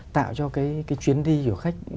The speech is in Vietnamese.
tạo cho cái chuyến đi của khách